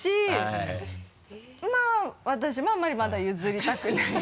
まぁ私もあんまりまだ譲りたくない。